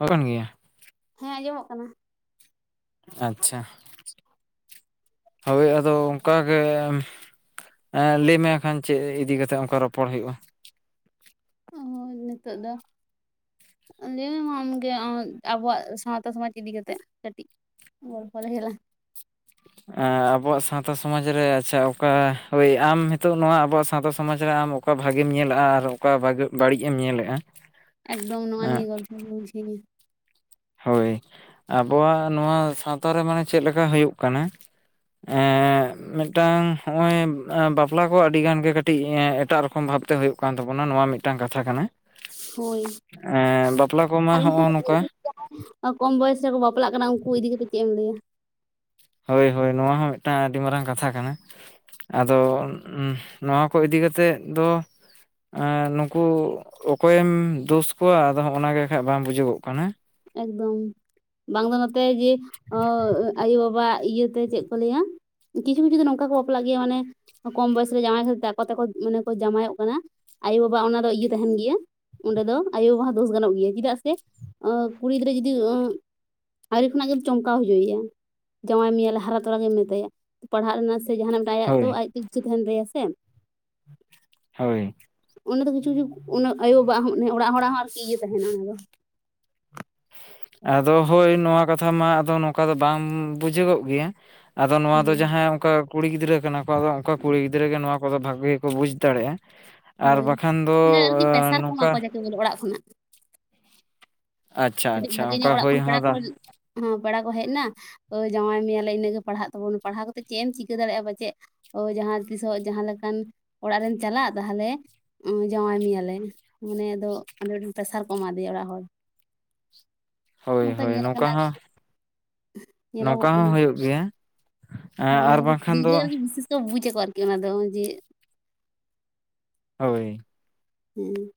ᱚ ᱠᱟᱱ ᱜᱮᱭᱟ [inaudible] ᱦᱮᱸ ᱟᱸᱡᱚᱢᱚᱜ ᱠᱟᱱᱟ᱾ ᱟᱪᱪᱷᱟ ᱦᱳᱭ ᱟᱫᱚ ᱚᱱᱠᱟᱜᱮ ᱞᱟᱹᱭ ᱢᱮ ᱠᱷᱟᱱ ᱪᱮᱫ ᱤᱫᱤ ᱠᱟᱛᱮᱫ ᱚᱱᱠᱟ ᱨᱚᱯᱚᱲ ᱦᱩᱭᱩᱜᱼᱟ? ᱚ ᱱᱤᱛᱚᱜ ᱫᱚ ᱞᱟᱹᱭᱢᱮ ᱢᱟ ᱟᱢᱜᱮ ᱟᱵᱚᱣᱟᱜ ᱥᱟᱶᱛᱟ ᱥᱚᱢᱟᱡᱽ ᱤᱫᱤ ᱠᱟᱛᱮᱫ ᱠᱟᱹᱴᱤᱡ ᱚᱚᱞ ᱯᱷᱞ ᱜᱮᱮ [inaudible] ᱟᱵᱚᱣᱟᱜ ᱥᱟᱶᱛᱟ ᱥᱚᱢᱟᱡᱽ ᱨᱮ ᱟᱪᱪᱷᱟ ᱚᱠᱟ ᱦᱳᱭ ᱟᱢ ᱱᱤᱛᱚᱜ ᱱᱚᱣᱟ ᱟᱵᱚᱣᱟᱜ ᱥᱟᱶᱛᱟ ᱥᱚᱢᱟᱡᱽ ᱨᱮ ᱟᱢ ᱚᱠᱟ ᱵᱷᱟᱜᱮᱢ ᱧᱮᱞᱮᱫᱼᱟ ᱟᱨ ᱚᱠᱟ ᱵᱷᱟᱜᱮ ᱵᱟᱹᱲᱤᱡ ᱮᱢ ᱧᱮᱞᱮᱜᱼᱟ? ᱮᱠᱫᱚᱢ ᱱᱚᱣᱟ ᱱᱤᱭᱟᱹᱼᱼ ᱦᱳᱭ ᱟᱵᱚᱣᱟᱜ ᱱᱚᱣᱟ ᱥᱟᱶᱛᱟᱨᱮ ᱢᱟᱱᱮ ᱪᱮᱫ ᱞᱮᱠᱟ ᱦᱩᱭᱩᱜ ᱠᱟᱱᱟ? ᱢᱤᱫᱴᱟᱝ ᱦᱚᱜᱼᱚᱭ ᱵᱟᱯᱞᱟ ᱠᱚ ᱟᱹᱰᱤ ᱜᱟᱱ ᱜᱮ ᱠᱟᱹᱴᱤᱡ ᱮᱴᱟᱜ ᱨᱚᱠᱚᱢ ᱵᱷᱟᱵᱛᱮ ᱦᱩᱭᱩᱜᱼᱼ ᱛᱟᱵᱚᱱᱟ ᱱᱚᱣᱟ ᱢᱤᱫᱴᱟᱝ ᱠᱟᱛᱷᱟ ᱠᱟᱱᱟ ᱦᱳᱭ ᱵᱟᱯᱞᱟ ᱠᱚᱢᱟ ᱟᱨ ᱩᱱᱠᱩ ᱱᱚᱜᱼᱚ ᱱᱚᱝᱠᱟ᱾ ᱠᱚᱢ ᱵᱚᱭᱮᱥ ᱨᱮᱠᱚ ᱵᱟᱯᱞᱟᱜ ᱠᱟᱱᱟ ᱩᱱᱠᱩ ᱤᱫᱤ ᱠᱟᱛᱮ ᱪᱮᱫ ᱮᱢ ᱞᱟᱹᱭᱟ? ᱦᱳᱭ ᱦᱳᱭ ᱱᱚᱣᱟ ᱦᱚᱸ ᱢᱤᱫᱴᱟᱝ ᱟᱹᱰᱤ ᱢᱟᱨᱟᱝ ᱠᱟᱛᱷᱟ ᱠᱟᱱᱟ᱾ ᱟᱫᱚ ᱱᱚᱣᱟ ᱠᱚ ᱤᱫᱤ ᱠᱟᱛᱮᱫ ᱫᱚᱼᱼ ᱱᱩᱠᱩ ᱚᱠᱚᱭᱮᱢ ᱫᱳᱥ ᱠᱚᱣᱟ ᱟᱫᱚ ᱦᱚᱸᱜ ᱚᱱᱟᱜ ᱠᱷᱟᱡ ᱵᱟᱝ ᱵᱩᱡᱩᱜᱚᱜ ᱠᱟᱱᱟ᱾ ᱮᱠᱫᱚᱢ ᱵᱟᱝ ᱫᱚ ᱱᱚᱛᱮ ᱡᱮ ᱟᱭᱳ ᱵᱟᱵᱟᱣᱟᱜ ᱤᱭᱟᱹᱛᱮ ᱪᱮᱫ, ᱠᱚ ᱞᱟᱹᱭᱟ ᱠᱤᱪᱷᱩ ᱠᱤᱪᱷᱩ ᱫᱚ ᱱᱚᱝᱠᱟ ᱠᱚ ᱵᱟᱯᱞᱟᱜ ᱜᱮᱭᱟ ᱢᱟᱱᱮᱼᱼ ᱠᱚᱢ ᱵᱚᱭᱮᱥᱨᱮ ᱡᱟᱶᱟᱭ ᱠᱷᱟᱹᱛᱤᱨ ᱟᱠᱚ ᱛᱮᱠᱚ ᱢᱟᱱᱮ ᱠᱚ ᱡᱟᱢᱟᱭᱚᱜ ᱠᱟᱱᱟ ᱟᱭᱳᱼᱵᱟᱵᱟ ᱚᱱᱟ ᱫᱚ ᱤᱭᱟᱹ ᱛᱟᱦᱮᱱ ᱜᱮᱭᱟ᱾ ᱚᱸᱰᱮ ᱫᱚ ᱟᱭᱳᱼᱵᱟᱵᱟ ᱫᱳᱥ ᱜᱟᱱᱚᱜ ᱜᱮᱭᱟ ᱪᱮᱫᱟᱜ ᱥᱮ ᱠᱩᱲᱤ ᱜᱤᱫᱽᱨᱟᱹ ᱡᱩᱫᱤᱼᱼ ᱟᱹᱣᱨᱤ ᱠᱷᱚᱱᱟᱜ ᱜᱮ ᱪᱚᱢᱠᱟᱣ ᱦᱚᱪᱚᱭᱟ ᱡᱟᱶᱟᱭ ᱢᱮᱭᱟᱞᱮ ᱦᱟᱨᱟ ᱛᱚᱨᱟ ᱛᱚᱨᱟᱝ ᱜᱮᱢ ᱢᱮᱛᱟᱭᱟ᱾ ᱯᱟᱲᱦᱟᱜ ᱨᱮᱱᱟ ᱥᱮ ᱡᱟᱦᱟᱱᱟᱜ ᱢᱤᱫᱴᱟᱝ ᱟᱭᱟᱜ ᱛᱚ ᱦᱳᱭ ᱟᱡ ᱛᱮ ᱤᱪᱪᱷᱟᱹ ᱛᱟᱦᱮᱱ ᱛᱟᱭᱟ ᱥᱮ᱾ ᱦᱳᱭ᱾ ᱚᱱᱮ ᱫᱚ ᱠᱤᱪᱷᱩ ᱠᱤᱪᱷᱩ ᱟᱭᱳᱼ ᱵᱟᱵᱟᱜ ᱦᱚᱸ ᱚᱱᱮ ᱚᱲᱟᱜ ᱦᱚᱲᱟᱜ ᱦᱚᱸ ᱟᱨᱠᱤ ᱤᱭᱟᱹ ᱛᱟᱦᱮᱱᱟ ᱚᱱᱟ ᱫᱚ᱾ ᱟᱫᱚ ᱦᱳᱭ ᱱᱚᱣᱟ ᱠᱟᱛᱷᱟ ᱢᱟ ᱟᱫᱚ ᱱᱚᱝᱠᱟ ᱫᱚ ᱵᱟᱝ ᱵᱩᱡᱷᱟᱹᱜᱚᱜ ᱜᱮᱭᱟ᱾ ᱟᱫᱚ ᱱᱚᱣᱟ ᱦᱩᱸ ᱫᱚ ᱡᱟᱦᱟᱸᱭ ᱚᱱᱠᱟ ᱠᱩᱲᱤ ᱜᱤᱫᱽᱨᱟᱹ ᱠᱟᱱᱟ ᱠᱚ ᱟᱫᱚ ᱚᱱᱠᱟ ᱠᱩᱲᱤ ᱜᱤᱫᱽᱨᱟᱹ ᱜᱮ ᱱᱚᱣᱟᱼᱼ ᱠᱚᱫᱚ ᱵᱷᱟᱜᱮ ᱜᱮᱠᱚ ᱵᱩᱡᱽ ᱫᱟᱲᱮᱭᱟᱜᱼᱟ ᱟᱨ ᱦᱳᱭ ᱵᱟᱠᱷᱟᱱ ᱫᱚ ᱚᱱᱮ ᱟᱨᱠᱤ ᱯᱮᱥᱟᱨ ᱠᱚ ᱮᱢᱟ ᱱᱚᱝᱠᱟᱼᱼ ᱠᱚᱣᱟ ᱚᱲᱟᱜ ᱡᱟᱠᱮ ᱠᱷᱚᱱᱟᱜ [inaudible] ᱟᱪᱪᱷᱟ ᱠᱟᱹᱴᱤᱡ ᱟᱪᱪᱷᱟ ᱵᱷᱟᱜᱮ ᱧᱚᱜ ᱚᱱᱠᱟ ᱚᱲᱟᱜ ᱦᱳᱭ ᱠᱷᱚᱱ ᱯᱮᱲᱟ ᱦᱚᱸ ᱠᱚ᱾ ᱫᱟ ᱦᱮᱸ ᱯᱮᱲᱟ ᱠᱚ ᱦᱮᱡ ᱱᱟ ᱛᱚ ᱡᱟᱶᱟᱭ ᱢᱮᱭᱟᱞᱮ ᱤᱱᱟᱹᱜ ᱜᱮ ᱯᱟᱲᱦᱟᱜ ᱛᱟᱵᱚᱱᱟ ᱯᱟᱲᱦᱟᱣ ᱠᱟᱛᱮᱫ ᱪᱮᱫ ᱮᱢ ᱪᱤᱠᱟᱹ ᱫᱟᱲᱮᱭᱟᱜᱼᱟ ᱯᱟᱪᱮᱫ, ᱚ ᱡᱟᱦᱟᱸ ᱛᱤᱥᱚᱜ ᱡᱟᱦᱟᱸ ᱞᱮᱠᱟᱱ ᱚᱲᱟᱜ ᱨᱮᱢ ᱪᱟᱞᱟᱜ ᱛᱟᱦᱚᱞᱮᱼᱼ ᱡᱟᱶᱟᱭ ᱢᱮᱭᱟᱞᱮ ᱢᱟᱱᱮ ᱟᱫᱚ ᱯᱮᱥᱟᱨ ᱠᱚ ᱮᱢᱟᱫᱮᱭᱟ ᱚᱲᱟᱜ ᱦᱚᱲ᱾ ᱦᱳᱭ ᱱᱚᱝᱠᱟ ᱦᱳᱭ ᱧᱮᱞ ᱠᱟᱱᱟ ᱦᱚᱸ ᱱᱚᱝᱠᱟ ᱧᱮᱞᱚᱜᱚᱜ ᱦᱚᱸ ᱠᱟᱱᱟ᱾ ᱦᱩᱭᱩᱜ ᱜᱮᱭᱟ᱾ ᱮᱸ ᱚᱱᱟ ᱟᱨ ᱠᱚᱫᱚ ᱠᱩᱲᱤ ᱵᱟᱝᱠᱷᱟᱱ ᱜᱤᱫᱽᱨᱟᱹ ᱫᱚ ᱨᱮᱜᱮ ᱵᱤᱥᱮᱥ ᱠᱚ ᱵᱩᱡ ᱟᱠᱚ ᱟᱨᱠᱤ ᱚᱱᱟ ᱫᱚ ᱡᱮᱼᱼ ᱦᱳᱭ᱾ ᱦᱩᱸ᱾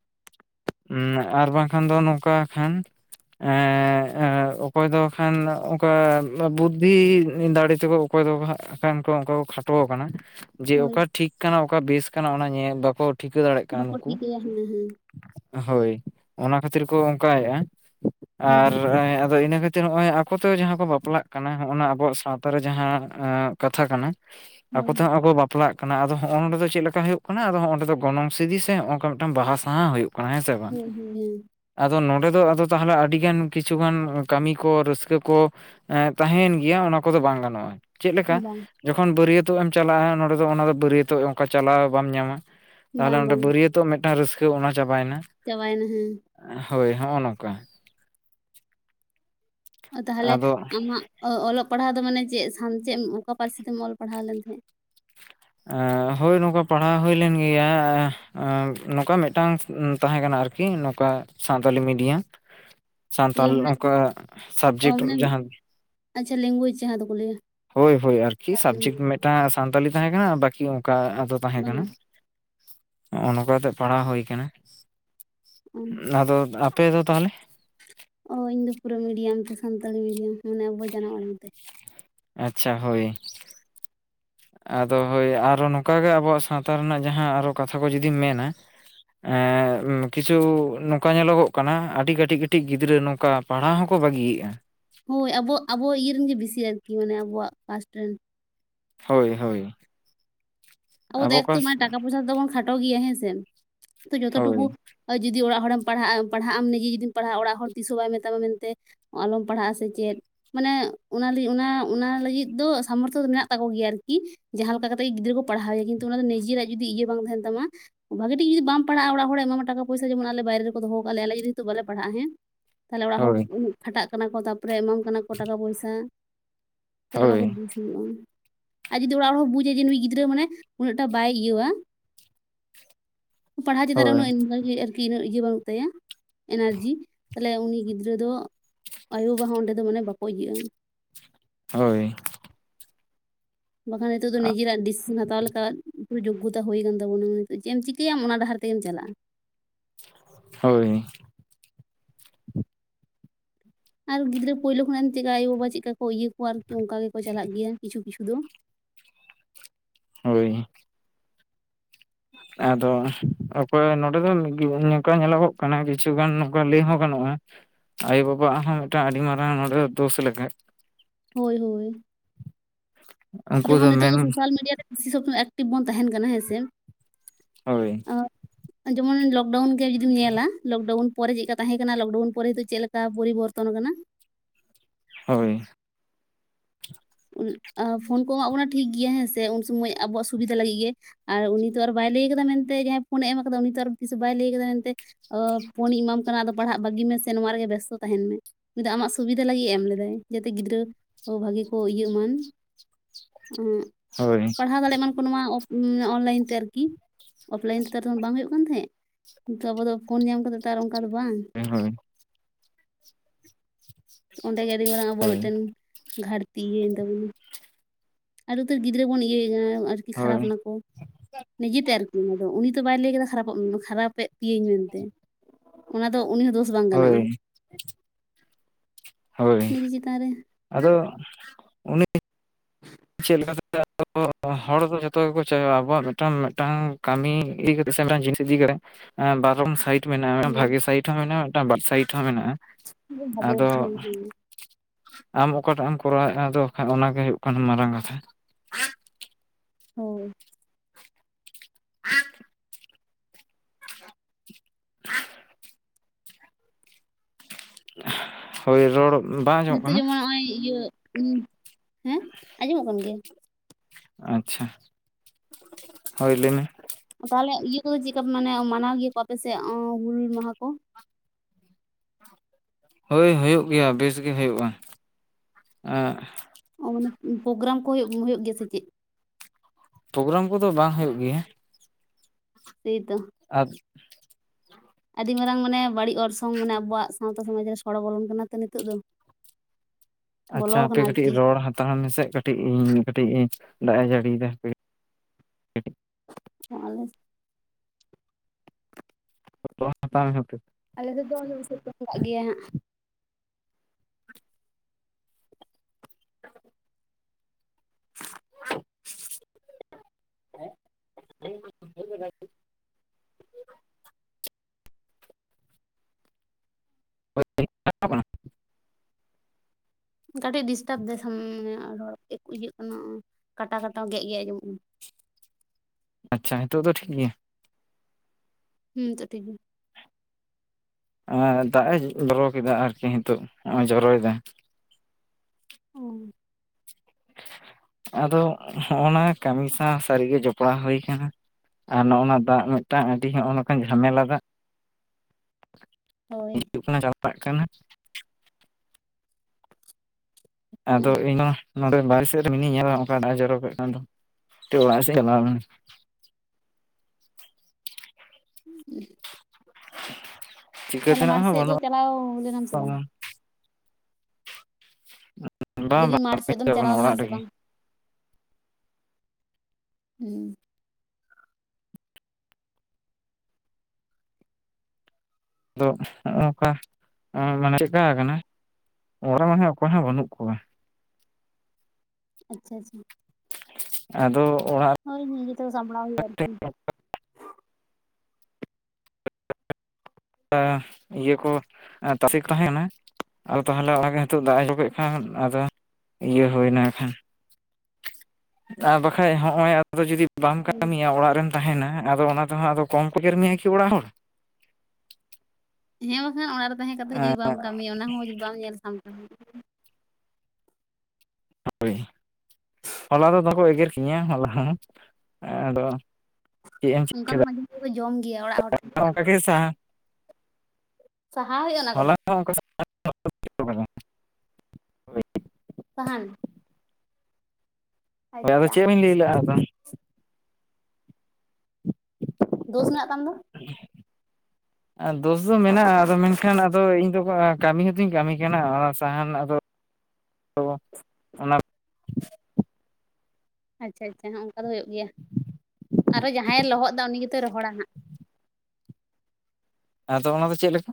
ᱟᱨ ᱵᱟᱝᱠᱷᱟᱱ ᱫᱚ ᱱᱚᱝᱠᱟ ᱠᱷᱟᱱ ᱚᱠᱚᱭ ᱫᱚ ᱠᱷᱟᱱ ᱚᱱᱠᱟ ᱵᱩᱫᱽᱫᱷᱤ ᱫᱟᱲᱮ ᱛᱮᱠᱚ ᱚᱠᱚᱭ ᱫᱚ ᱦᱟᱸᱜ ᱠᱷᱟᱱ ᱠᱚ ᱚᱱᱠᱟ ᱠᱚ ᱠᱷᱟᱴᱚ ᱟᱠᱟᱱᱟ ᱾ ᱡᱮ ᱦᱳᱭ ᱚᱠᱟ ᱴᱷᱤᱠ ᱠᱟᱱᱟ ᱚᱠᱟ ᱵᱮᱥ ᱠᱟᱱᱟ ᱚᱱᱟ ᱧᱮᱞ ᱵᱟᱠᱚ ᱴᱷᱤᱠᱟᱹ ᱫᱟᱲᱮᱭᱟᱜ ᱠᱟᱱᱟ ᱵᱟᱠᱚ ᱱᱩᱠᱩ ᱴᱷᱤᱠᱟᱹᱭᱟ ᱦᱮᱸ ᱦᱮᱸ ᱾ ᱦᱳᱭ ᱚᱱᱟ ᱠᱷᱟᱹᱛᱤᱨ ᱠᱚ ᱚᱱᱠᱟᱭᱮᱼᱟ ᱾ ᱦᱩᱸ ᱟᱨ ᱮᱸ ᱟᱫᱚ ᱤᱱᱟᱹ ᱠᱷᱟᱹᱛᱤᱨ ᱱᱚᱜᱚᱭ ᱟᱠᱚᱛᱮ ᱡᱟᱦᱟᱸ ᱠᱚ ᱵᱟᱯᱞᱟᱜ ᱠᱟᱱᱟ ᱦᱚᱜᱼᱱᱟ ᱟᱵᱚᱣᱟᱜ ᱥᱟᱶᱛᱟᱨᱮ ᱡᱟᱦᱟᱸ ᱠᱟᱛᱷᱟ ᱠᱟᱱᱟ ᱦᱳᱭ ᱟᱠᱚᱛᱮ [inaudible] ᱵᱟᱯᱞᱟᱜ ᱠᱟᱱᱟ ᱟᱫᱚ ᱦᱚᱜᱼᱚᱭ ᱱᱚᱸᱰᱮ ᱪᱮᱫ ᱞᱮᱠᱟ ᱦᱩᱭᱩᱜ ᱠᱟᱱᱟ ᱟᱫᱚ ᱦᱚᱸ ᱚᱸᱰᱮ ᱫᱚ ᱜᱚᱱᱚᱝ ᱥᱤᱫᱤ ᱥᱮ ᱱᱚᱜᱠᱟ ᱢᱤᱫᱴᱟᱝ ᱵᱟᱦᱟ ᱥᱟᱦᱟᱸ ᱦᱩᱭᱩᱜ ᱦᱮᱸ ᱥᱮ ᱵᱟᱝ? ᱦᱳᱭ ᱦᱳᱭ ᱟᱫᱚ ᱱᱚᱸᱰᱮ ᱫᱚ ᱟᱫᱚ ᱛᱟᱦᱚᱞᱮ ᱟᱹᱰᱤᱜᱟᱱ ᱠᱤᱪᱷᱩ ᱜᱟᱱ ᱠᱟᱹᱢᱤ ᱠᱚ ᱨᱟᱹᱥᱠᱟᱹ ᱠᱚ ᱛᱟᱦᱮᱭᱱ ᱜᱮᱭᱟ ᱚᱱᱟ ᱠᱚᱫᱚ ᱵᱟᱝ ᱜᱟᱱᱚᱜᱼᱟ᱾ ᱪᱮᱫ ᱞᱮᱠᱟ ᱦᱮᱸ ᱵᱟᱝ ᱡᱚᱠᱷᱚᱱ ᱵᱟᱹᱨᱭᱟᱹᱛᱚᱜ ᱮᱢ ᱪᱟᱞᱟᱜᱼᱟ ᱱᱚᱰᱮ ᱫᱚ ᱚᱱᱟ ᱫᱚ ᱵᱟᱹᱨᱭᱟᱹᱛᱚᱜ ᱚᱱᱠᱟ ᱪᱟᱞᱟᱣ ᱵᱟᱢ ᱧᱟᱢᱟ᱾ ᱛᱟᱦᱚᱞᱮ ᱵᱟᱝ ᱚᱸᱰᱮ ᱵᱟᱝ ᱵᱟᱹᱨᱭᱟᱹᱛᱚᱜ ᱢᱤᱫᱴᱟᱝ ᱨᱟᱹᱥᱠᱟᱹ ᱚᱱᱟ ᱪᱟᱵᱟᱭᱱᱟ᱾ ᱪᱵᱟᱭᱱᱟ ᱦᱮᱸ ᱾ ᱦᱳᱭ ᱦᱚᱸᱜᱼᱚ ᱱᱚᱝᱠᱟ ᱾ ᱛᱟᱦᱚᱞᱮ ᱟᱢᱟᱜ ᱚᱞᱚᱜ ᱯᱟᱲᱦᱟᱣ ᱫᱚ ᱢᱟᱱᱮ ᱪᱮᱫ ᱪᱮᱫ ᱚᱠᱟ ᱯᱟᱹᱨᱥᱤ ᱛᱮᱢ ᱚᱞ ᱯᱟᱲᱦᱟᱣ ᱞᱮᱱ ᱛᱟᱦᱮᱸᱫ? ᱮ ᱦᱳᱭ ᱱᱚᱝᱠᱟ ᱯᱟᱲᱦᱟᱣ ᱦᱩᱭ ᱞᱮᱱ ᱜᱮᱭᱟ ᱟᱨ ᱱᱚᱝᱠᱟ ᱢᱤᱫᱴᱟᱝ ᱛᱟᱦᱮᱸ ᱠᱟᱱᱟ ᱟᱨᱠᱤ ᱱᱚᱝᱠᱟ ᱥᱟᱱᱛᱟᱞᱤ ᱢᱤᱰᱤᱭᱟᱢ ᱤᱭᱟᱹ ᱥᱟᱱᱛᱟᱞ ᱢᱟᱱᱮ ᱚᱱᱠᱟ ᱚ ᱥᱟᱵᱽᱡᱮᱠᱴ ᱢᱟᱱᱮ ᱡᱟᱦᱟᱸ ᱟᱪᱪᱷᱟ ᱞᱮᱝᱜᱩᱭᱮᱡᱽ ᱡᱟᱦᱟᱸ ᱫᱚᱠᱚ ᱞᱟᱹᱭᱟ ᱾ ᱦᱳᱭ ᱦᱳᱭ ᱟᱨᱠᱤ ᱥᱟᱵᱡᱮᱠᱴ ᱢᱤᱫᱴᱟᱝ ᱥᱟᱱᱛᱟᱞᱤ ᱛᱟᱦᱮᱸ ᱠᱟᱱᱟ ᱵᱟᱠᱤ ᱚᱱᱠᱟ ᱟᱫᱚ ᱛᱟᱦᱮᱸ ᱵᱟᱝ ᱠᱟᱱᱟ ᱱᱚᱜᱼᱚ ᱱᱚᱝᱠᱟ ᱠᱟᱛᱮ ᱯᱟᱲᱦᱟᱣ ᱦᱩᱭ ᱠᱟᱱᱟ ᱾ ᱟᱫᱚ ᱟᱯᱮ ᱫᱚ ᱛᱟᱦᱚᱞᱮ ᱚ ᱤᱧ ᱫᱚ ᱯᱩᱨᱟᱹ ᱢᱤᱰᱤᱭᱟᱢ ᱛᱮ ᱥᱟᱱᱛᱟᱞᱤ ᱢᱤᱰᱤᱭᱟᱢ ᱢᱟᱱᱮ ᱟᱵᱚ ᱡᱟᱱᱟᱢ ᱟᱲᱟᱝ ᱛᱮ ᱾ ᱟᱪᱪᱷᱟ ᱦᱳᱭ ᱾ ᱟᱫᱚ ᱦᱳᱭ ᱟᱨᱚ ᱱᱚᱝᱠᱟᱜᱮ ᱟᱵᱚᱣᱟᱜ ᱥᱟᱶᱛᱟ ᱨᱮᱱᱟᱜ ᱡᱟᱦᱟᱸ ᱟᱨᱚ ᱠᱟᱛᱷᱟ ᱠᱚ ᱡᱩᱫᱤᱢ ᱢᱮᱱᱟ ᱮ ᱠᱤᱪᱷᱩ ᱱᱚᱝᱠᱟ ᱧᱮᱞᱚᱜᱚᱜ ᱠᱟᱱᱟ ᱟᱹᱰᱤ ᱠᱟᱹᱴᱤᱡ ᱠᱟᱹᱴᱤᱡ ᱜᱤᱫᱽᱨᱟᱹ ᱱᱚᱝᱠᱟ ᱯᱟᱲᱦᱟᱣ ᱦᱚᱸᱠᱚ ᱵᱟᱹᱜᱤᱭᱮᱜᱼᱟ ᱾ ᱦᱳᱭ ᱟᱵᱚ ᱟᱵᱚ ᱤᱭᱟᱹ ᱨᱮᱱ ᱜᱮ ᱵᱮᱥᱤ ᱟᱨᱠᱤ ᱢᱟᱱᱮ ᱟᱵᱚᱣᱟᱜ ᱠᱟᱥᱴ ᱨᱮᱱ ᱾ ᱦᱳᱭ ᱦᱳᱭ ᱾ ᱟᱵᱚ ᱫᱚ ᱮᱠ ᱛᱚ ᱢᱟᱱᱮ ᱴᱟᱠᱟ ᱯᱚᱭᱥᱟ ᱛᱮᱫᱚ ᱵᱚᱱ ᱠᱷᱟᱴᱚ ᱜᱮᱭᱟ ᱦᱮᱸᱥᱮ ᱛᱚ ᱡᱚᱛᱚ ᱴᱩᱠᱩ ᱦᱳᱭ ᱟᱨ ᱡᱩᱫᱤ ᱚᱲᱟᱜ ᱦᱚᱲᱮᱢ ᱯᱟᱲᱦᱟᱜᱼᱟ ᱯᱟᱲᱦᱟᱜ ᱟᱢ ᱱᱤᱜᱮ ᱡᱩᱫᱤᱢ ᱯᱟᱲᱦᱟᱜᱼᱟ ᱚᱲᱟᱜ ᱦᱚᱲ ᱛᱤᱥ ᱦᱚᱸ ᱵᱟᱭ ᱢᱮᱛᱟ ᱢᱟ ᱢᱮᱱᱛᱮ ᱟᱞᱚᱢ ᱯᱟᱲᱦᱟᱜᱼᱟ ᱥᱮ ᱪᱮᱫ ᱾ ᱢᱟᱱᱮ ᱚᱱᱟ ᱞᱟᱹᱜᱤᱫ ᱚᱱᱟ ᱚᱱᱟ ᱞᱟᱹᱜᱤᱫ ᱫᱚ ᱥᱟᱢᱚᱨᱛᱷᱚ ᱢᱮᱱᱟᱜ ᱛᱟᱠᱚ ᱜᱮᱭᱟ ᱟᱨᱠᱤ ᱾ ᱡᱟᱦᱟᱸ ᱞᱮᱠᱟ ᱠᱟᱛᱮᱜ ᱜᱮ ᱜᱤᱫᱽᱨᱟᱹ ᱠᱚ ᱯᱟᱲᱦᱟᱣᱮᱭᱟ ᱠᱤᱱᱛᱩ ᱚᱱᱟ ᱫᱚ ᱱᱤᱡᱮᱨᱟᱜ ᱡᱩᱫᱤ ᱤᱭᱟᱹ ᱵᱟᱝ ᱛᱟᱦᱮᱱ ᱛᱟᱢᱟ ᱵᱷᱟᱜᱤ ᱴᱷᱤᱠ ᱡᱩᱫᱤ ᱵᱟᱢ ᱯᱟᱲᱟᱜᱼᱟ ᱚᱲᱟᱜ ᱦᱚᱲᱮ ᱮᱢᱟᱢᱟ ᱴᱟᱠᱟ ᱯᱚᱭᱥᱟ ᱡᱮᱢᱚᱱ ᱟᱞᱮ ᱵᱟᱭᱨᱮ ᱨᱮᱠᱚ ᱫᱚᱦᱚ ᱟᱠᱟᱜ ᱞᱮᱭᱟ ᱟᱞᱮ ᱡᱩᱫᱤ ᱦᱳᱭᱛᱳ ᱵᱟᱞᱮ ᱯᱟᱲᱦᱟᱜᱼᱟ ᱦᱮᱸ ᱛᱟᱦᱚᱞᱮ ᱚᱲᱟᱜ ᱦᱚᱲ ᱦᱳᱭ ᱠᱷᱟᱴᱟᱜ ᱠᱟᱱᱟ ᱠᱚ ᱛᱟᱨᱯᱚᱨᱮ ᱮᱢᱟᱢ ᱠᱟᱱᱟ ᱠᱚ ᱴᱟᱠᱟ ᱯᱚᱭᱥᱟ ᱾ ᱛᱟᱦᱚᱞᱮ ᱚᱱᱟ ᱠᱚ ᱦᱳᱭ ᱵᱩᱡ ᱦᱩᱭᱩᱜᱼᱟ, ᱟᱨ ᱡᱩᱫᱤ ᱚᱲᱟᱜ ᱦᱚᱲ ᱦᱚᱸ ᱵᱩᱡᱟ ᱡᱮ ᱱᱩᱭ ᱜᱤ ᱜᱤᱫᱽᱨᱟᱹ ᱢᱟᱱᱮ ᱩᱱᱟᱹᱜ ᱴᱟᱜ ᱵᱟᱭ ᱤᱭᱟᱹᱣᱟ ᱯᱟᱲᱦᱟᱣ ᱪᱮᱛᱟᱱ ᱨᱮ ᱦᱳᱭ ᱩᱱᱟᱹᱜ ᱠᱤ ᱩᱱᱟᱹᱜ ᱤᱭᱟᱹ ᱵᱟᱹᱱᱩᱜ ᱛᱟᱭᱟ ᱮᱱᱟᱨᱡᱤ ᱛᱟᱦᱚᱞᱮ ᱩᱱᱤ ᱜᱤᱫᱽᱨᱟᱹ ᱫᱚ ᱟᱭᱳ-ᱵᱟᱵᱟ ᱦᱚᱸ ᱚᱸᱰᱮ ᱫᱚ ᱢᱟᱱᱮ ᱵᱟᱠᱚ ᱤᱭᱟᱹᱜᱼᱟ ᱦᱳᱭ ᱾ ᱵᱟᱠᱷᱟᱱ ᱱᱤᱛᱚᱜ ᱫᱚ ᱱᱤᱡᱮᱨᱟᱜ ᱰᱤᱥᱤᱥᱮᱱ ᱦᱟᱛᱟᱣ ᱞᱮᱠᱟ ᱯᱩᱨᱟᱹ ᱡᱳᱜᱽᱼᱛᱟ ᱦᱩᱭ ᱠᱟᱱ ᱛᱟᱵᱚᱱᱟ, ᱱᱤᱛᱳᱜ ᱪᱮᱫ ᱮᱢ ᱪᱤᱠᱟᱹᱭᱟᱢ ᱚᱱᱟ ᱰᱟᱦᱟᱨ ᱛᱮᱜᱮᱢ ᱪᱟᱞᱟᱜᱼᱟ, ᱦᱳᱭ᱾ ᱟᱨ ᱜᱤᱫᱽᱨᱟᱹ ᱯᱩᱭᱞᱳ ᱠᱷᱚᱱᱟᱜ ᱪᱮᱜ ᱠᱟ ᱟᱭᱳᱼᱵᱟᱵᱟ ᱪᱮᱜ ᱠᱟ ᱤᱭᱟᱹ ᱠᱚᱣᱟ ᱟᱨᱠᱤ ᱚᱸᱠᱟ ᱜᱮᱠᱚ ᱪᱟᱞᱟᱜ ᱜᱮᱭᱟ ᱠᱤᱪᱷᱩ ᱠᱤᱪᱷᱩ ᱫᱚ᱾ ᱦᱳᱭ, ᱟᱫᱚ ᱚᱠᱚᱭ ᱱᱚᱰᱮ ᱨᱮᱱ ᱜᱮ ᱩᱸ ᱱᱚᱝᱠᱟ ᱧᱮᱞᱚᱜᱚᱜ ᱠᱟᱱᱟ ᱡᱮ ᱠᱤᱪᱷᱩ ᱜᱟᱱ ᱱᱚᱝᱠᱟ ᱞᱟᱹᱭ ᱦᱚᱸ ᱜᱟᱱᱚᱜᱼᱟ, ᱟᱭᱳᱼᱵᱟᱵᱟ ᱦᱟᱸᱜ ᱦᱚᱸ ᱢᱤᱫᱴᱟᱝ ᱟᱹᱰᱤ ᱢᱟᱨᱟᱝ ᱱᱚᱰᱮ ᱫᱚ ᱫᱳᱥ ᱞᱮᱠᱷᱟᱡ, ᱦᱳᱭ ᱦᱳᱭ᱾ ᱩᱱᱠᱩ ᱡᱮᱢᱚᱱ ᱱᱤᱛᱚᱜ ᱢᱮᱱ ᱫᱚ ᱥᱳᱥᱟᱞ ᱢᱤᱰᱤᱭᱟ ᱨᱮ ᱵᱤᱥᱤ ᱥᱚ ᱠᱷᱚᱱᱟᱜ ᱮᱠᱴᱤᱵᱷ ᱵᱚᱱ ᱛᱟᱦᱮᱱ ᱠᱟᱱᱟ, ᱦᱮᱸ ᱥᱮ? ᱦᱳᱭ᱾ ᱟᱸ ᱡᱮᱢᱚᱱ ᱞᱚᱠᱰᱟᱹᱣᱩᱱ ᱜᱮ ᱡᱩᱫᱤᱢ ᱧᱮᱞᱼᱟ, ᱞᱚᱠᱰᱟᱹᱣᱩᱱ ᱯᱚᱨᱮ ᱪᱮᱫᱼᱠᱟ ᱛᱟᱦᱮᱸ ᱠᱟᱱᱟ ᱞᱚᱠᱰᱟᱹᱣᱩᱱ ᱯᱚᱨᱮ ᱱᱤᱛᱚᱜ ᱪᱮᱫ ᱞᱮᱠᱟ ᱯᱚᱨᱤᱵᱚᱨᱛᱚᱱ ᱟᱠᱟᱱᱟ? ᱦᱳᱭ᱾ ᱩᱱ ᱟᱸ ᱯᱷᱳᱱ ᱠᱚᱢᱟ ᱚᱱᱟ ᱴᱷᱤᱠ ᱜᱮᱭᱟ ᱦᱮᱸᱥᱮ, ᱩᱱ ᱥᱚᱢᱚᱭ ᱟᱵᱚᱣᱟᱜ ᱥᱩᱵᱤᱫᱷᱟ ᱞᱟᱹᱜᱤᱜ ᱜᱮ, ᱟᱨ ᱩᱱᱤ ᱫᱚ ᱟᱨ ᱵᱟᱭ ᱞᱟᱹᱭ ᱟᱠᱟᱫᱟ ᱢᱮᱱᱛᱮ ᱡᱟᱦᱟᱸᱭ ᱯᱷᱳᱱᱼᱮ ᱮᱢ ᱟᱠᱟᱫᱟ ᱩᱱᱤ ᱛᱚ ᱛᱤᱥ ᱵᱟᱭ ᱞᱟᱹᱭ ᱟᱠᱟᱫᱟ ᱢᱮᱱᱛᱮ, ᱳᱸ ᱯᱷᱳᱱᱼᱤᱧ ᱮᱢᱟᱢ ᱠᱟᱱᱟ ᱟᱫᱚ ᱯᱟᱲᱦᱟᱜ ᱵᱟᱹᱜᱤ ᱢᱮ ᱥᱮ ᱱᱚᱣᱟ ᱨᱮᱜᱮ ᱵᱮᱥᱛᱚ ᱛᱟᱦᱮᱱ ᱢᱮ? ᱩᱱᱤ ᱫᱚ ᱟᱢᱟᱜ ᱥᱩᱵᱤᱫᱷᱟ ᱞᱟᱹᱜᱤᱜ ᱮ ᱮᱢ ᱞᱮᱫᱟᱭ ᱡᱟ ᱛᱮ ᱜᱤᱫᱽᱨᱟᱹ ᱠᱚ ᱵᱷᱟᱹᱜᱤ ᱠᱚ ᱤᱭᱟᱹᱜ ᱢᱟᱱ ᱩᱸ ᱦᱳᱭ᱾ ᱯᱟᱲᱦᱟᱣ ᱫᱟᱲᱮᱭᱟᱜ ᱮᱢᱟᱱ ᱢᱟ ᱱᱚᱣᱟ ᱳᱯ ᱩᱸ ᱳᱱᱞᱟᱹᱭᱤᱱ ᱛᱮ ᱟᱨᱠᱤ ᱚᱯᱷᱞᱟᱹᱭᱤᱱ ᱛᱮ ᱛᱟᱨ ᱵᱟᱝ ᱦᱩᱭᱩᱜ ᱠᱟᱱ ᱛᱟᱦᱮᱸᱜ? ᱚᱸᱠᱟ ᱟᱵᱚ ᱫᱚ ᱯᱷᱳᱱ ᱧᱟᱢ ᱠᱟᱛᱮᱫ ᱛᱟᱨ ᱚᱸᱠᱟ ᱫᱚ ᱵᱟᱝ ᱦᱳᱭ, ᱚᱸᱰᱮ ᱜᱮ ᱟᱹᱰᱤ ᱢᱟᱨᱟᱝ ᱟᱵᱚᱣᱟᱜ ᱦᱳᱭ ᱢᱤᱫᱴᱟᱹᱱ ᱜᱷᱟᱲᱛᱤ ᱤᱭᱟᱹᱭᱮᱱ ᱛᱟᱵᱚᱱᱟ ᱟᱨ ᱩᱛᱟᱹᱨ ᱜᱤᱫᱽᱨᱟᱹ ᱵᱚᱱ ᱤᱭᱟᱹᱭᱮ ᱮᱸ ᱟᱨ- ᱠᱷᱟᱨᱟᱯ ᱦᱳᱭ ᱮᱱᱟ ᱠᱚ, ᱱᱤᱡᱟᱹ ᱛᱮ ᱟᱨᱠᱤ ᱚᱱᱟ ᱫᱚ ᱩᱱᱤ ᱛᱚ ᱵᱟᱭ ᱞᱟᱹᱭ ᱟᱠᱟᱫᱟ ᱠᱷᱟᱨᱟᱯᱼᱚᱜ ᱢᱮ ᱠᱷᱟᱨᱟᱯᱮᱜ ᱯᱮᱭᱟᱹᱧ ᱢᱮᱱᱛᱮ? ᱚᱱᱟ ᱫᱚ ᱩᱱᱤ ᱦᱚᱸ ᱫᱳᱥ ᱵᱟᱝ ᱜᱟᱱᱚᱜᱼᱟ? ᱦᱳᱭ ᱦᱳᱭ, ᱱᱤᱡᱮ ᱪᱮᱛᱟᱱ ᱨᱮ ᱟᱫᱚ ᱩᱱᱤ [unintelligible] ᱪᱮᱫ ᱞᱮᱠᱟ ᱛᱮ [unintelligible] ᱦᱚᱲ ᱫᱚ ᱡᱚᱛᱚ ᱜᱮ ᱠᱚ ᱪᱟᱦᱟᱣᱟ, ᱟᱵᱚᱣᱟᱜ ᱢᱮᱫᱴᱟᱝ ᱢᱮᱫᱴᱟᱝ ᱠᱟᱹᱢᱤ ᱤᱫᱤ ᱠᱟᱛᱮᱫ ᱥᱮ ᱢᱮᱫᱴᱟᱝ ᱡᱤᱱᱤᱥ, ᱤᱫᱤ ᱜᱮᱲᱮ, ᱮᱸ ᱵᱟᱨᱚᱝ ᱥᱟᱹᱭᱤ- ᱢᱮᱱᱟᱜᱼᱟ ᱦᱮᱸ ᱵᱷᱟᱜᱤ ᱥᱟᱹᱭᱤᱴᱷ ᱦᱚᱸ ᱢᱮᱱᱟᱜᱼᱟ, ᱢᱮᱫᱴᱟᱝ ᱵᱟᱨ ᱥᱟᱹᱭᱤᱴ ᱦᱚᱸ ᱢᱮᱱᱟᱜᱼᱟ, ᱵᱷᱟᱜᱮ ᱟᱫᱚ ᱦᱮᱸ ᱦᱮᱸ ᱟᱢ ᱚᱠᱟᱴᱟᱜ ᱮᱢ ᱠᱚᱨᱟᱣᱮᱜᱼᱟ, ᱟᱫᱚ ᱵᱟ ᱵᱟᱠᱷᱟᱱ ᱚᱱᱟ ᱜᱮ ᱦᱩᱭᱩᱜ ᱠᱟᱱᱟ ᱢᱟᱨᱟᱝ ᱠᱟᱛᱷᱟ᱾ ᱦᱳᱭ᱾ [unintelligible] [unintelligible] ᱦᱳᱭ, ᱨᱚᱲ ᱵᱟᱝ ᱟᱸᱡᱚᱢᱚᱜ ᱱᱤᱛᱚᱜ ᱠᱟᱱᱟ ᱡᱮᱢᱚᱱ ᱱᱚᱜᱼᱚᱸᱭ ᱤᱭᱟᱹ ᱩᱸᱦ ᱦᱮᱸ ᱟᱸᱡᱚᱢᱚᱜ ᱠᱟᱱ ᱜᱮᱭᱟ? ᱟᱪᱪᱷᱟ, ᱦᱳᱭ ᱞᱟᱹᱭ ᱢᱮ? ᱛᱟᱦᱮᱞᱮ ᱤᱭᱟᱹ ᱠᱚᱫᱚ ᱪᱮᱫ ᱠᱟ ᱢᱟᱱᱮ ᱢᱟᱱᱟᱣ ᱜᱮᱭᱟ ᱠᱚ ᱟᱯᱮᱥᱮᱜ ᱚᱸᱻ ᱦᱩᱞ ᱢᱟᱦᱟ ᱠᱚ? ᱦᱳᱭ ᱦᱳᱭᱳᱜ ᱜᱮᱭᱟ, ᱵᱮᱥ ᱜᱮ ᱦᱳᱭᱳᱜ -ᱟ, ᱮᱸᱜ ᱚᱱ ᱯᱳᱜᱟᱨᱟᱢ ᱠᱚ ᱦᱩᱭᱩᱜ, ᱦᱩᱭᱩᱜ ᱜᱮᱭᱟ ᱥᱮ ᱪᱮᱫ? ᱯᱳᱜᱮᱨᱟᱢ ᱠᱳᱫᱳ ᱵᱟᱝ ᱦᱩᱭᱩᱜ ᱜᱮᱭᱟ, ᱥᱟᱹᱭ ᱛᱚ ᱟᱵ, ᱟᱹᱰᱤ ᱢᱟᱨᱟᱝ ᱢᱟᱱᱮ ᱵᱟᱹᱲᱤᱡ ᱚᱨᱥᱚᱝ ᱢᱟᱱᱮ ᱟᱵᱚᱣᱟᱜ ᱥᱟᱶᱛᱟ ᱥᱚᱢᱟᱡᱽ ᱨᱮ ᱥᱚᱲᱚ ᱵᱚᱞᱚᱱ ᱠᱟᱱᱟ ᱛᱚ ᱱᱤᱛᱩᱜ ᱫᱚ? ᱟᱪᱪᱷᱟ ᱵᱚᱞᱚ ᱦᱟᱯᱮ ᱟᱠᱟᱱᱟ ᱠᱟᱹᱴᱤᱡ ᱟᱨᱠᱤ ᱨᱚᱲ ᱦᱟᱸᱛᱟᱲ ᱢᱮᱥᱮᱜ ᱠᱟᱹᱴᱤᱜ ᱤᱧ ᱠᱟᱹᱴᱤᱡ ᱤᱧ ᱫᱟᱜ ᱮ ᱡᱟᱹᱲᱤ ᱭᱮᱫᱟ ᱦᱟᱯᱮ, [unintelligible] [unintelligible] ᱟᱞᱮ ᱫᱚ ᱫᱚᱞᱥ ᱠᱚ ᱪᱟᱞᱟᱜ ᱜᱮᱭᱟ ᱦᱟᱸᱜ [inaudible] ᱚ [unintelligible] [unintelligible] [unintelligible] ᱠᱟᱹᱴᱤᱡ ᱰᱤᱥᱴᱟᱯ ᱫᱟᱭ ᱤᱭᱟᱹᱜ ᱠᱟᱱᱟ ᱠᱟᱴᱟ ᱠᱟᱴᱟ ᱜᱮᱫ ᱜᱮᱫ ᱟᱸᱚᱢᱚᱜᱼᱟ ᱠᱟᱱᱟ᱾ ᱟᱪᱪᱷᱟ ᱦᱮᱛᱳᱜ ᱫᱚ ᱴᱷᱤᱠ ᱜᱮᱭᱟ᱾ ᱦᱩᱸ ᱦᱮᱛᱳᱜ ᱴᱷᱤᱠ ᱜᱮᱭᱟ᱾ ᱟᱨ ᱫᱟᱜ ᱮ ᱡᱚᱨᱚ ᱠᱮᱫᱟ ᱟᱨᱠᱤ ᱦᱮᱛᱳᱜ ᱱᱚᱜᱼᱚᱭ ᱡᱚᱨᱚᱭᱫᱟᱭ᱾ ᱳᱻ ᱟᱫᱚ ᱦᱚᱸᱜᱼ ᱱᱟ ᱠᱟᱹᱢᱤ ᱥᱟᱣ ᱥᱟᱹᱨᱤᱜᱮ ᱡᱚᱯᱲᱟᱣ ᱦᱩᱭ ᱠᱟᱱᱟᱼᱼ ᱟᱨ ᱱᱚᱜᱼᱱᱟ ᱫᱟᱜ ᱢᱤᱫᱴᱟᱝ ᱟᱹᱰᱤ ᱦᱚᱜᱱᱚᱝᱠᱟᱱ ᱡᱷᱟᱢᱮᱞᱟ ᱫᱚ ᱾ ᱦᱳᱭ ᱦᱤᱡᱩᱜ ᱠᱟᱱᱟ ᱪᱟᱞᱟᱜ ᱠᱟᱱᱟ᱾ ᱦᱮᱸ ᱟᱫᱚ ᱤᱧ ᱦᱚᱸ᱾ ᱱᱚᱰᱮ ᱵᱟᱨᱦᱮ ᱥᱮᱫ ᱨᱮ ᱢᱤᱱᱤᱧ ᱧᱮᱞᱟ ᱚᱱᱠᱟ ᱡᱚᱨᱚᱠᱮᱫ ᱠᱟᱱ ᱫᱚ ᱱᱤᱛᱚᱜ ᱚᱲᱟᱜ ᱥᱮᱫ ᱪᱟᱞᱟᱣ ᱞᱮᱱ ᱜᱮ [inaudible] [unintelligible] [unintelligible] ᱛᱟᱦᱚᱞᱮ ᱛᱮᱱᱟᱜ ᱢᱟᱴ ᱦᱚᱸ ᱥᱮᱫ ᱫᱚ ᱵᱟᱹᱱᱩᱜᱼᱟ ᱪᱟᱞᱟᱶ ᱞᱮᱱᱟᱢ ᱥᱮ ᱵᱟᱝ? ᱵᱟᱝ ᱵᱟᱝ ᱞᱟᱹᱭᱫᱟᱹᱧ ᱢᱟᱴᱷ ᱵᱟᱹᱧ ᱥᱮᱫ ᱫᱚᱢ ᱪᱟᱞᱟᱣ ᱟᱠᱟᱱᱟ ᱚᱲᱟᱜ ᱞᱮᱱᱟ ᱥᱮ ᱨᱮᱜᱮ᱾ ᱵᱟᱝ [unintelligible] ᱟᱫᱚ ᱱᱚᱜ ᱱᱚᱝᱠᱟ ᱢᱟᱱᱮ ᱪᱮᱠᱟ ᱠᱟᱱᱟ᱾ ᱚᱲᱟᱜ ᱨᱮᱦᱚ ᱚᱠᱚᱭᱦᱚᱸ ᱵᱟᱹᱱᱩᱜ ᱠᱚᱣᱟ᱾ ᱟᱪᱪᱷᱟ ᱟᱪᱪᱷᱟ᱾ ᱟᱫᱚ ᱚᱲᱟᱜᱼᱼ ᱦᱳᱭ ᱱᱤᱡᱮ ᱛᱮᱜᱮ ᱥᱟᱢᱲᱟᱣ ᱦᱳᱭᱳᱜ-ᱟ ᱟᱨᱠᱤ, ᱤᱭᱟᱹ ᱠᱚ ᱛᱟᱥᱮᱠᱚ ᱛᱟᱦᱮᱸᱱᱟ᱾ ᱟᱫᱚ ᱛᱟᱦᱞᱮ ᱚᱱᱟᱜᱮ ᱱᱤᱛᱚᱜ ᱫᱟᱜ ᱦᱚᱪᱚ ᱠᱮᱫ ᱠᱷᱟᱱ ᱟᱫᱚ ᱤᱭᱟᱹ ᱦᱳᱭᱱᱟ ᱦᱟᱜ ᱠᱷᱟᱱ᱾ ᱟᱨ ᱵᱟᱠᱷᱟᱡ ᱦᱚᱸᱜᱚᱭᱼᱼ ᱟᱫᱚ ᱡᱩᱫᱤ ᱵᱟᱢ ᱠᱟᱹᱢᱤᱭᱟ ᱚᱲᱟᱜ ᱨᱮᱢ ᱛᱟᱦᱮᱱᱟ ᱟᱫᱚ ᱚᱱᱟ ᱛᱮᱦᱚᱸ ᱟᱫᱚ ᱠᱚᱢ ᱠᱚ ᱮᱜᱮᱨ ᱢᱮᱭᱟ ᱠᱤ ᱚᱲᱟᱜ ᱦᱚᱲ᱾ ᱦᱮᱸ ᱵᱟᱠᱷᱟᱱ ᱚᱲᱟᱜ ᱨᱮ ᱛᱟᱦᱮᱸ ᱠᱟᱛᱮᱫ ᱡᱩᱫᱤ ᱵᱟᱢ ᱠᱟᱹᱢᱤᱭᱟ ᱚᱱᱟ ᱦᱚᱸ ᱡᱩᱫᱤ ᱵᱟᱢ ᱧᱮᱞ ᱥᱟᱢᱴᱟᱣ᱾ ᱦᱳᱭ ᱦᱚᱞᱟ ᱫᱚᱠᱚ ᱮᱜᱮᱨ ᱠᱤᱧᱟᱹ ᱦᱚᱞᱟ ᱦᱚᱸ ᱟᱫᱚᱼᱼ ᱚᱱᱠᱟ ᱫᱚ ᱢᱟᱡᱷᱮ ᱢᱟᱡᱷᱮ ᱠᱚ ᱡᱚᱢ ᱜᱮᱭᱟ ᱚᱲᱟᱜ ᱦᱚᱲ ᱴᱷᱮᱱ ᱠᱷᱚᱱᱟᱜ ᱫᱚ ᱾ [unintelligible] ᱥᱟᱦᱟᱣ ᱦᱳᱭᱳᱜᱼᱟ ᱚᱱᱟ ᱠᱚ ᱦᱚᱞᱟ ᱫᱚ᱾ ᱦᱚᱸ ᱚᱱᱠᱟ ᱥᱮᱴᱮᱨ ᱟᱠᱟᱱᱟ᱾ ᱥᱟᱦᱟᱱᱼᱼ ᱦᱳᱭ ᱟᱫᱚ ᱟᱪᱪᱷᱟ ᱪᱮᱫ ᱵᱤᱱ ᱞᱟᱹᱭ ᱞᱮᱜᱼᱟ ᱟᱫᱚ᱾ ᱫᱳᱥ ᱢᱮᱱᱟᱜ ᱛᱟᱢ ᱫᱚ᱾ ᱫᱳᱥ ᱫᱚ ᱢᱮᱱᱟᱜᱼᱟ ᱟᱫᱚ ᱢᱮᱱᱠᱷᱟᱱᱼᱼ ᱮᱱᱠᱷᱟᱱ ᱟᱫᱚ ᱤᱧ ᱫᱚ ᱠᱟᱹᱢᱤ ᱦᱚᱸᱛᱚᱧ ᱠᱟᱹᱢᱤ ᱠᱟᱱᱟ ᱚᱱᱟ ᱥᱟᱦᱟᱱ ᱟᱫᱚᱼᱼ ᱟᱪᱪᱷᱟ ᱟᱪᱪᱷᱟ ᱦᱚ ᱚᱱᱠᱟ ᱫᱚ ᱦᱳᱭᱳᱜ ᱜᱮᱭᱟ ᱟᱨᱚ ᱡᱟᱦᱟᱸᱭᱮ ᱞᱚᱦᱚᱫᱟ ᱩᱱᱤ ᱜᱮᱛᱚᱭ ᱨᱚᱦᱚᱲᱟ ᱦᱟᱸᱜ᱾ ᱟᱫᱚ ᱚᱱᱟᱫᱚ ᱪᱮᱫ ᱞᱮᱠᱟ᱾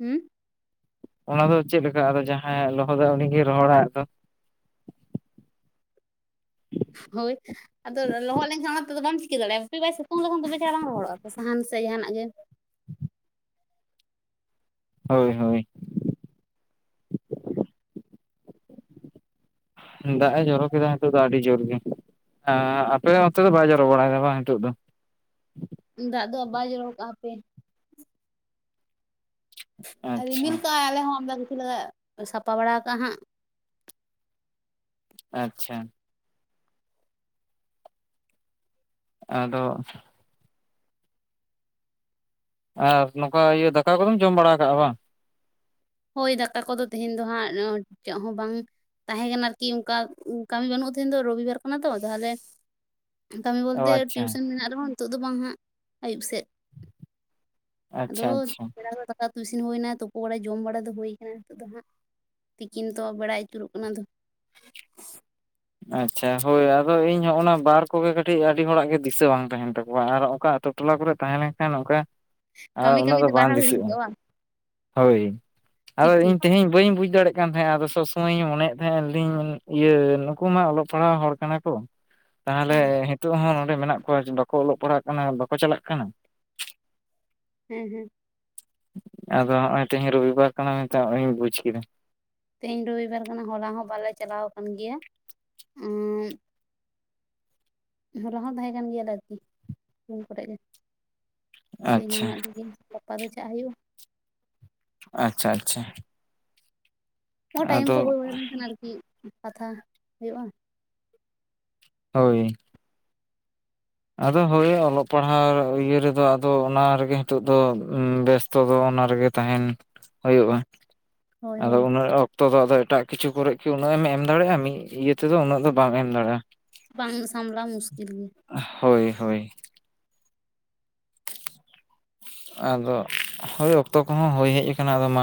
ᱦᱩᱸ᱾ ᱚᱱᱟ ᱫᱚ ᱪᱮᱫ ᱞᱮᱠᱟ ᱟᱫᱚ ᱡᱟᱦᱟᱸᱭᱮ ᱞᱚᱦᱚᱫᱟ ᱩᱱᱤᱜᱮ ᱨᱚᱦᱚᱲᱟ ᱟᱫᱚᱼᱼ [unintelligible] ᱦᱳᱭ ᱟᱫᱚ ᱞᱚᱦᱚᱫ ᱞᱮᱱᱠᱷᱟᱱ ᱚᱱᱟ ᱛᱮᱫᱚ ᱵᱟᱢ ᱪᱤᱠᱟᱹ ᱫᱟᱲᱮᱭᱟᱜᱼᱟ ᱦᱟᱯᱤ ᱵᱟᱭ ᱥᱤᱛᱩᱝ ᱞᱮᱠᱷᱟᱱ ᱫᱚ ᱛᱚᱵᱮ ᱪᱷᱟᱲᱟ ᱵᱟᱝ ᱨᱚᱦᱚᱲᱚᱜᱼᱟ ᱛᱚ ᱥᱟᱦᱟᱱ ᱥᱮ ᱡᱟᱦᱟᱱᱟᱜ ᱜᱮ [inaudible] ᱦᱳᱭ ᱦᱳᱭ ᱫᱟᱜ ᱮ ᱡᱚᱨᱚ ᱠᱮᱫᱟ ᱱᱤᱛᱚᱜ ᱫᱚ ᱟᱹᱰᱤ ᱡᱳᱨ ᱜᱮ ᱟᱯᱮ ᱚᱱᱛᱮ ᱫᱚ ᱵᱟᱭ ᱡᱚᱨᱚ ᱵᱟᱲᱟᱭᱮᱫᱟ ᱵᱟᱝ ᱱᱤᱛᱚᱜ ᱫᱚ ᱫᱟᱜ ᱫᱚ ᱵᱟᱭ ᱡᱚᱨᱚ ᱠᱟᱜᱼᱟ ᱦᱟᱯᱮ ᱟᱨ ᱟᱪᱪᱷᱟ ᱨᱤᱢᱤᱞ ᱠᱟᱜᱟᱭ ᱟᱞᱮ ᱦᱚᱸ ᱟᱢᱫᱟ ᱠᱤᱪᱷᱩ ᱥᱟᱯᱷᱟ ᱵᱟᱲᱟ ᱠᱟᱜᱼᱟ ᱦᱟᱸᱜ ᱟᱪᱪᱷᱟ ᱟᱫᱚ ᱟᱨ ᱱᱚᱝᱠᱟ ᱤᱭᱟᱹ ᱫᱟᱠᱟ ᱠᱚᱫᱚᱢ ᱡᱚᱢ ᱵᱟᱲᱟ ᱠᱟᱜᱼᱟ ᱵᱟ ᱦᱳᱭ ᱫᱟᱠᱟ ᱠᱚᱫᱚ ᱛᱮᱦᱮᱧ ᱫᱚ ᱦᱟᱸᱜ ᱪᱮᱫ ᱦᱚᱸ ᱵᱟᱝ ᱛᱟᱦᱮᱸ ᱠᱟᱱᱟ ᱟᱨᱠᱤ ᱚᱱᱠᱟ ᱠᱟᱹᱢᱤ ᱵᱟᱹᱱᱩᱜᱼᱟ ᱛᱚ ᱛᱮᱦᱮᱧ ᱫᱚ ᱨᱚᱵᱤᱵᱟᱨ ᱠᱟᱱᱟ ᱛᱚ ᱛᱟᱦᱞᱮ ᱠᱟᱹᱢᱤ ᱚ ᱵᱚᱞᱛᱮ ᱟᱪᱪᱷᱟ ᱴᱤᱭᱩᱥᱮᱱ ᱢᱮᱱᱟᱜ ᱨᱮᱦᱚᱸ ᱱᱤᱛᱚᱜ ᱫᱚ ᱵᱟᱝ ᱦᱟᱸᱜ ᱟᱹᱭᱩᱵ ᱥᱮᱫ ᱟᱫᱚ ᱟᱪᱪᱷᱟ ᱟᱪᱪᱷᱟ ᱵᱮᱲᱟ ᱫᱚ ᱫᱟᱠᱟ ᱩᱛᱩ ᱤᱥᱤᱱ ᱦᱩᱭ ᱱᱟ ᱛᱩᱯᱩ ᱵᱟᱲᱟ ᱡᱚᱢ ᱵᱟᱲᱟ ᱦᱩᱭ ᱠᱟᱱᱟ ᱱᱤᱛᱚᱜ ᱫᱚ ᱦᱟᱸᱜ ᱛᱤᱠᱤᱱ ᱛᱚ ᱵᱟᱲᱟᱭ ᱟᱹᱪᱩᱨᱚᱜ ᱠᱟᱱᱟ ᱟᱫᱚ ᱟᱪᱪᱷᱟ ᱦᱳᱭ ᱟᱫᱚ ᱤᱧ ᱦᱚᱸ ᱚᱱᱟ ᱵᱟᱨ ᱠᱚᱜᱮ ᱠᱟᱹᱴᱤᱡ ᱟᱹᱰᱤ ᱦᱚᱲᱟᱜ ᱜᱮ ᱫᱤᱥᱟᱹ ᱵᱟᱝ ᱛᱟᱦᱮᱱ ᱛᱟᱠᱚᱣᱟ ᱟᱨ ᱚᱠᱟ ᱟᱹᱛᱩ ᱟᱹᱛᱩ ᱴᱚᱞᱟ ᱠᱚᱨᱮ ᱛᱟᱦᱮᱸ ᱞᱮᱱ ᱠᱷᱟᱱ ᱚᱱᱠᱟ ᱠᱟᱹᱢᱤ ᱩᱱᱟᱹᱜ ᱠᱟᱹᱢᱤ ᱫᱚ ᱛᱮ ᱵᱟᱝ ᱵᱟᱨᱦᱟᱣ ᱦᱤᱲᱤᱧ ᱫᱤᱥᱟᱹᱜᱼᱟ ᱠᱚᱜᱼᱟ ᱵᱟᱝ ᱦᱳᱭ ᱴᱷᱤᱠ ᱟᱫᱚ ᱴᱷᱤᱠ ᱤᱧ ᱛᱮᱦᱮᱧ ᱵᱟᱹᱧ ᱵᱩᱡᱽ ᱫᱟᱲᱮᱜ ᱛᱟᱦᱮᱸᱱᱟ ᱟᱫᱚ ᱥᱚᱵᱽ ᱥᱚᱢᱚᱭᱤᱧ ᱢᱚᱱᱭᱮᱫ ᱛᱟᱦᱮᱸᱫᱟ ᱞᱟᱹᱭ ᱫᱟᱹᱧ ᱤᱭᱟᱹ ᱱᱩᱠᱩ ᱢᱟ ᱚᱞᱚᱜ ᱯᱟᱲᱦᱟᱣ ᱦᱚᱲ ᱠᱟᱱᱟ ᱠᱚ ᱛᱟᱦᱞᱮ ᱦᱮᱸ ᱱᱤᱛᱳᱜ ᱦᱚᱸ ᱱᱚᱸᱰᱮ ᱢᱮᱱᱟᱜ ᱠᱚᱣᱟ ᱵᱟᱠᱚ ᱚᱞᱚᱜ ᱯᱟᱲᱦᱟᱜ ᱠᱟᱱᱟ ᱵᱟᱠᱚ ᱪᱟᱞᱟᱜ ᱠᱟᱱᱟ ᱦᱩᱸ ᱦᱩᱸ ᱟᱫᱚ ᱱᱚᱜᱼᱚᱭ ᱛᱮᱦᱤᱧ ᱨᱚᱵᱤᱵᱟᱨ ᱠᱟᱱᱟ ᱢᱮᱱᱛᱮ ᱱᱚᱜᱼᱚᱭᱤᱧ ᱵᱩᱡ ᱠᱮᱫᱟ ᱛᱮᱦᱮᱧ ᱨᱚᱵᱤᱵᱟᱨ ᱠᱟᱱᱟ ᱦᱚᱞᱟ ᱦᱚᱸ ᱵᱟᱞᱮ ᱪᱟᱞᱟᱣ ᱠᱟᱱ ᱜᱮᱭᱟ ᱩᱸ ᱦᱚᱞᱟ ᱦᱚᱸ ᱛᱟᱦᱮᱸ ᱠᱟᱱ ᱜᱮᱭᱟ ᱟᱨᱠᱤ ᱨᱩᱢ ᱠᱚᱨᱮ ᱜᱮ ᱛᱮᱦᱮᱧ ᱟᱪᱪᱷᱟ ᱢᱮᱱᱟᱜ ᱞᱮᱜᱮ ᱜᱟᱯᱟ ᱫᱚ ᱪᱟᱜ ᱦᱳᱭᱳᱜᱼᱟ ᱟᱪᱪᱷᱟ ᱟᱪᱪᱷᱟ ᱚ ᱴᱟᱭᱤᱢ ᱟᱫᱚ ᱠᱚ ᱦᱩᱭ ᱵᱟᱲᱟ ᱞᱮᱱᱠᱷᱟᱱ ᱟᱨᱠᱤ ᱠᱟᱛᱷᱟ ᱦᱳᱭᱳᱜᱼᱟ ᱦᱳᱭ ᱟᱫᱚ ᱦᱳᱭ ᱚᱞᱚᱜ ᱯᱟᱲᱦᱟᱣ ᱤᱭᱟᱹ ᱨᱮᱫᱚ ᱟᱫᱚ ᱚᱱᱟ ᱨᱮᱜᱮ ᱦᱤᱛᱚᱜ ᱫᱚ ᱵᱮᱥ ᱚᱠᱛᱚ ᱫᱚ ᱚᱱᱟ ᱨᱮᱜᱮ ᱛᱟᱦᱮᱱ ᱦᱳᱭᱳᱜᱼᱟ ᱦᱳᱭ ᱟᱫᱚ ᱦᱳᱭ ᱩᱱᱟᱹᱜ ᱚᱠᱛᱚ ᱱᱤᱛᱚᱜ ᱫᱚ ᱟᱫᱚ ᱮᱟᱜ ᱠᱤᱷᱩ ᱠᱚᱨᱮ ᱠᱤ ᱩᱱᱟᱹᱜ ᱮᱢ ᱫᱟᱲᱮᱭᱟᱜᱼᱟ ᱢᱤᱫ ᱤᱭᱟᱹ ᱛᱮᱫᱚ, ᱩᱱᱟᱹᱜ ᱫᱚ ᱵᱟᱢ ᱮᱢ ᱫᱟᱲᱮᱭᱟᱜᱼᱟ᱾ ᱵᱟᱝ ᱥᱟᱸᱵᱞᱟᱣ ᱢᱩᱥᱠᱤᱞ ᱜᱮᱭᱟ᱾ ᱦᱳᱭ ᱦᱳᱭ ᱟᱫᱚ ᱦᱳᱭ ᱚᱠᱛᱚ ᱠᱚᱦᱚᱸ ᱦᱳᱭ ᱦᱮᱡ ᱟᱠᱟᱱᱟ ᱟᱫᱚ ᱢᱟ᱾